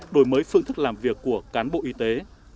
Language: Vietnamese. đổi mới phương thức làm việc của cán bộ y tế